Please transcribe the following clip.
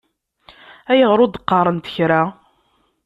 Ayɣer ur d-qqaṛent kra?